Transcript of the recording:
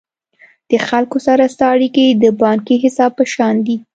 د خلکو سره ستا اړیکي د بانکي حساب په شان دي.